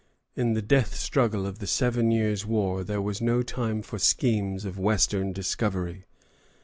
In the death struggle of the Seven Years' War there was no time for schemes of Western discovery.